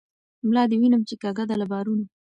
ملا دي وینم چی کږه ده له بارونو